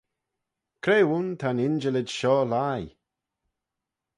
Cre ayn ta'n injillid shoh lhie?